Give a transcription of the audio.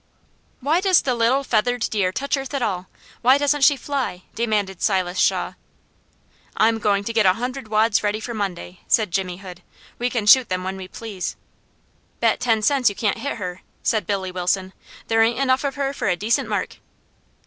"Why does the little feathered dear touch earth at all? Why doesn't she fly?" demanded Silas Shaw. "I'm going to get a hundred wads ready for Monday," said Jimmy Hood. "We can shoot them when we please." "Bet ten cents you can't hit her," said Billy Wilson. "There ain't enough of her for a decent mark."